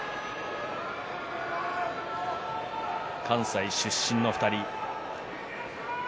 関西出身の２人。